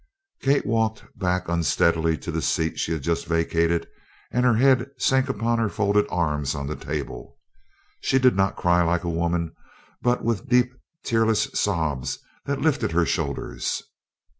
Kate walked back unsteadily to the seat she had just vacated and her head sank upon her folded arms on the table. She did not cry like a woman, but with deep tearless sobs that lifted her shoulders.